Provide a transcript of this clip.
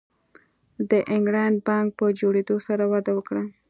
د انګلینډ بانک په جوړېدو سره وده وکړه.